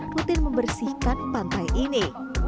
rutin membersihkan pantai ini